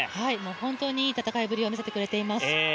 本当にいい戦いぶりを見せてくれています。